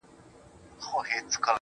o جنت د حورو دی، دوزخ د سيطانانو ځای دی.